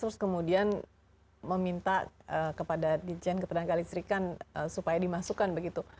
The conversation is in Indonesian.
terus kemudian meminta kepada dijen ketenaga listrikan supaya dimasukkan begitu